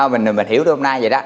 mình hiểu được hôm nay vậy đó